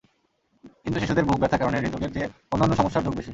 কিন্তু শিশুদের বুক ব্যথার কারণে হৃদ্রোগের চেয়ে অন্যান্য সমস্যার যোগ বেশি।